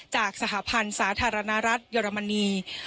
จากสหพันธ์สาธารณรัฐเยอรมนี